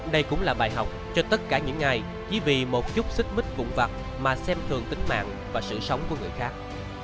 đây cũng là bài học cho tất cả những ai chỉ vì một chút xích mít vùng vặt mà xem thường tính mạng và sự sống của người khác